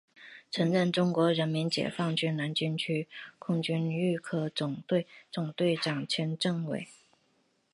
曾任中国人民解放军南京军区空军预科总队总队长兼政委。